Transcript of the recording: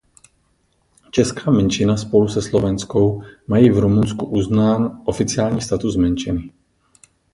Česká menšina spolu se slovenskou mají v Rumunsku uznán oficiální status menšiny.